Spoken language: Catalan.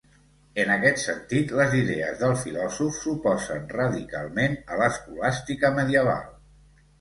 En aquest sentit, les idees del filòsof s'oposen radicalment a l'escolàstica medieval.